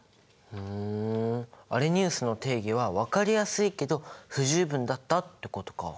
ふんアレニウスの定義は分かりやすいけど不十分だったってことか。